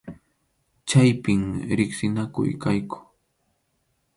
Chaypim riqsinakuq kayku.